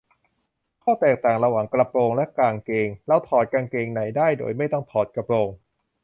ข้อแตกต่างระหว่างกระโปรงและกางเกง : เราถอดกางเกงในได้โดยไม่ต้องถอดกระโปรง